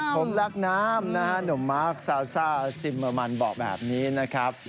ผมรักน้ำนะหนุ่มมากซาวซ่าซิมมะมันบอกแบบนี้นะครับ